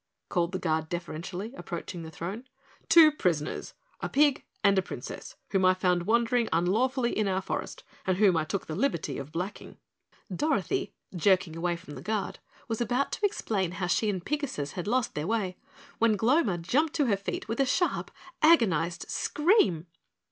called the Guard deferentially, approaching the throne. "Two prisoners, a pig and a Princess, whom I found wandering unlawfully in our forest, and whom I took the liberty of blacking." Dorothy, jerking away from the Guard, was about to explain how she and Pigasus had lost their way, when Gloma jumped to her feet with a sharp, agonized scream.